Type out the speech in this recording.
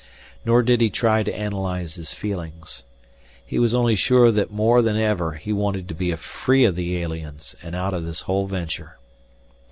Nor did he try to analyze his feelings. He was only sure that more than ever he wanted to be free of the aliens and out of this whole venture.